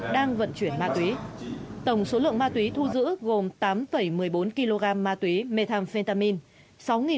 đang vận chuyển ma túy tổng số lượng ma túy thu giữ gồm tám một mươi bốn kg ma túy methamphetamine